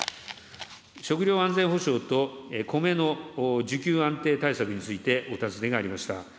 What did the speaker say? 食料安全保障と米の需給安定対策についてお尋ねがありました。